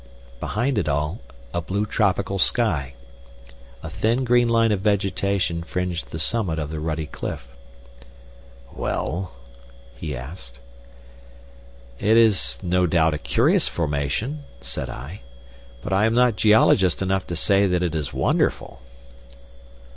Behind it all, a blue tropical sky. A thin green line of vegetation fringed the summit of the ruddy cliff. "Well?" he asked. "It is no doubt a curious formation," said I "but I am not geologist enough to say that it is wonderful."